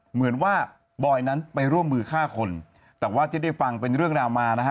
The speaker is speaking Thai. เหมือนว่าบอยนั้นไปร่วมมือฆ่าคนแต่ว่าที่ได้ฟังเป็นเรื่องราวมานะฮะ